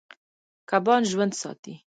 کبان ژوند ساتي.